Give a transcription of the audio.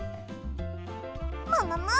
ももも！